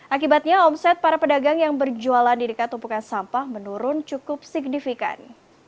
akibatnya omset para pedagang yang berjualan di dekat tumpukan sampah menurun cukup signifikan